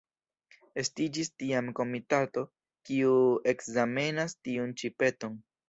Estiĝis tiam komitato, kiu ekzamenas tiun-ĉi peton.